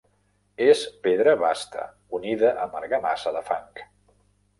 És pedra basta unida amb argamassa de fang.